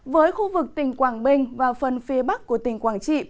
với khu vực tỉnh quảng bình và phần phía bắc của tỉnh quảng trị